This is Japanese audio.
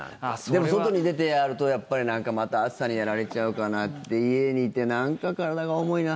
でも外に出てやるとまた暑さにやられちゃうかなって家にいて、なんか体が重いな。